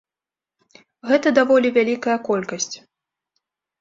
Гэта даволі вялікая колькасць.